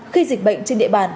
khi dịch bệnh trên địa bàn